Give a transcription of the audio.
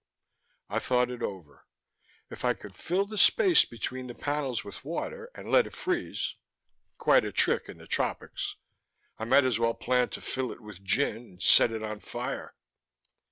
I thought it over. If I could fill the space between the panels with water and let it freeze ... quite a trick in the tropics. I might as well plan to fill it with gin and set it on fire.